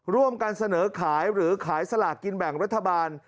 ร่วมกันเสนอขายหรือขายสลากกินแบ่งรัฐบาล